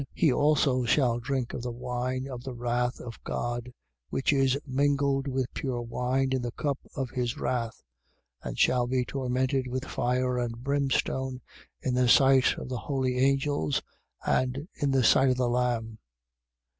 He also shall drink of the wine of the wrath of God, which is mingled with pure wine in the cup of his wrath: and shall be tormented with fire and brimstone in the sight of the holy angels and in the sight of the Lamb.